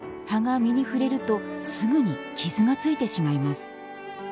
風などで葉が実に触れるとすぐに傷がついてしまいます。